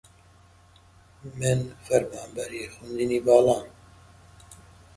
Davy remained in office, however, and the Democrat Party continued on.